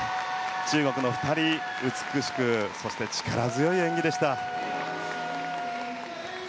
中国の２人、美しくそして力強い演技でした。